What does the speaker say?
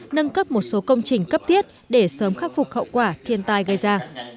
nâng cấp một số công trình cấp thiết để sớm khắc phục hậu quả thiên tai gây ra